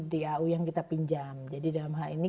dau yang kita pinjam jadi dalam hal ini